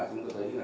chúng tôi thấy là